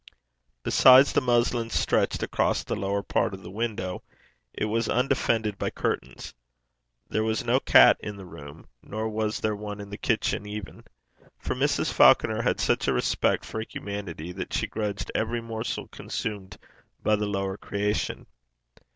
Besides the muslin stretched across the lower part of the window, it was undefended by curtains. There was no cat in the room, nor was there one in the kitchen even; for Mrs. Falconer had such a respect for humanity that she grudged every morsel consumed by the lower creation.